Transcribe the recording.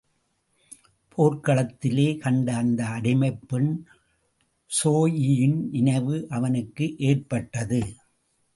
போர்க்ளத்திலே கண்ட அந்த அடிமைப் பெண் ஸோயியின் நினைவு அவனுக்கு ஏற்பட்டது.